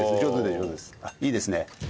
いいですね。